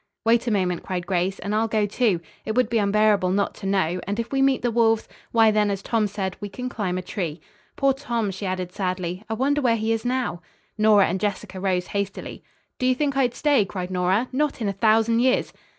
"Wait a moment," cried Grace, "and I'll go, too. It would be unbearable not to know and if we meet the wolves, why, then, as Tom said, we can climb a tree. Poor Tom!" she added sadly. "I wonder where he is now." Nora and Jessica rose hastily. "Do you think I'd stay?" cried Nora. "Not in a thousand years!"